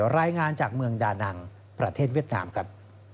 รายงานจากเมืองดานังประเทศเวียดนามครับ